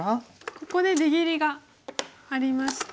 ここで出切りがありまして。